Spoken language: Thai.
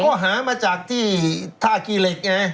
เขาหามาจากที่ท่าขี้เหล็กไง